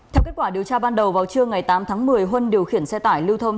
theo kết quả điều tra ban đầu vào trưa ngày tám tháng một mươi huân điều khiển xe tải lưu thông